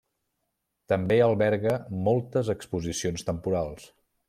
També alberga moltes exposicions temporals.